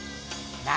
何？